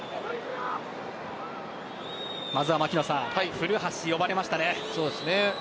まずは古橋、呼ばれましたね。